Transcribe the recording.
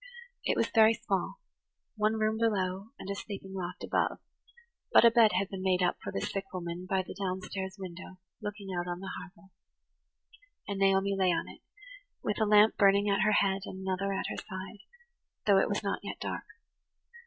It was very small–one room below, and a sleeping loft above; but a bed had been made up for the sick woman by the down stairs window looking out on the harbour; and Naomi lay on it, with a lamp burning at her head and another at her side, although it was not yet dark.